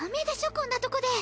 こんなとこで。